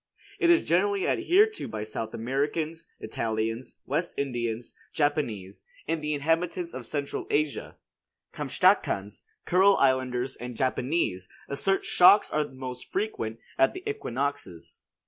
It is generally adhered to by South Americans, Italians, West Indians, Japanese, and the inhabitants of Central Asia. Kamtschatkans, Kurile Islanders and Japanese, assert shocks are most frequent at the equinoxes.